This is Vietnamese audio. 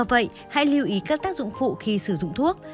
do vậy hãy lưu ý các tác dụng phụ khi sử dụng thuốc